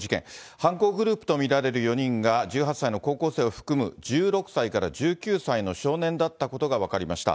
犯行グループと見られる４人が１８歳の高校生を含む１６歳から１９歳の少年だったことが分かりました。